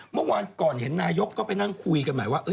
เมื่อวานก่อนเห็นนายกก็ไปนั่งคุยกันใหม่ว่า